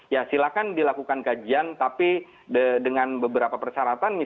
ya silahkan dilakukan kajian tapi dengan beberapa persyaratan